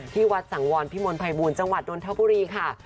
ที่วัดสังวรพิมลภัยบูรณ์จังหวัดนทบุรีค่ะ